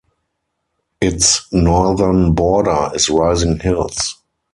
Its northern border is rising hills.